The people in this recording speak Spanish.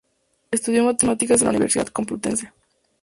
Estudió matemáticas en la Universidad Complutense.